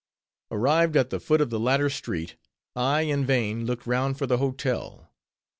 Arrived at the foot of the latter street, I in vain looked round for the hotel.